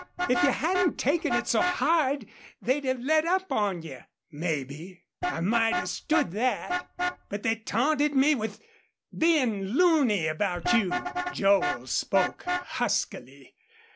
If you hadn't taken it so hard they'd have let up on you." "Mebbe I might have stood that. But they taunted me with bein' loony about you." Joel spoke huskily.